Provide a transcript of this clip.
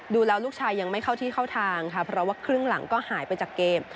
ดูแล้วลูกชายยังไม่เข้าที่เข้าทางค่ะเพราะว่าครึ่งหลังก็หายไปจากเกม